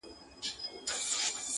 o چي تېغ چلېږي، وينه بهېږي.